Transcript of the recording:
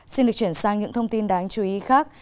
xin được chuyển sang những thông tin đáng chú ý khác